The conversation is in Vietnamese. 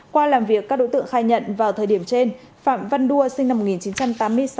qua làm việc các đối tượng khai nhận vào thời điểm trên phạm văn đua sinh năm một nghìn chín trăm tám mươi sáu